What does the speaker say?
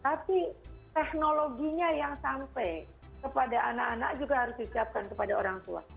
tapi teknologinya yang sampai kepada anak anak juga harus disiapkan kepada orang tua